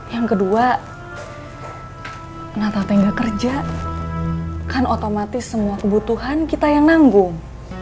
yang kedua kenapa nggak kerja kan otomatis semua kebutuhan kita yang nanggung